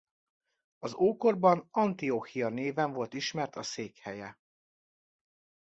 Az ókorban Antiochia néven volt ismert a székhelye.